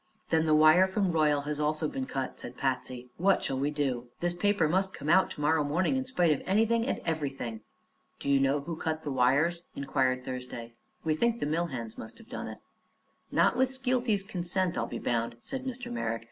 "Then the wire from Royal has also been cut," said Patsy. "What shall we do? His paper must come out to morrow morning, in spite of anything and everything!" "Do you know who cut the wires?" inquired Thursday. "We think the mill hands must have done it." "Not with Skeelty's consent, I'll be bound," said Mr. Merrick.